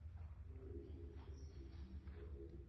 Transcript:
গুলি চলার সময় একটি মোটা পাঠ্যবই বুকে চেপে মাটিতে শুয়ে পড়েন তিনি।